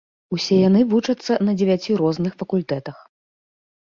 Усе яны вучацца на дзевяці розных факультэтах.